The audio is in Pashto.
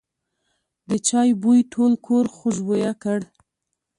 د چای بوی ټول کور خوشبویه کړ.